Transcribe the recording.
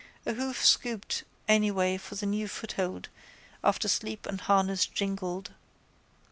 A hoof scooped anyway for new foothold after sleep and harness jingled.